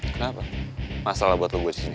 kenapa masalah buat lo gue disini